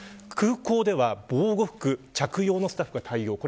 あるいは、空港では防護服着用のスタッフが対応。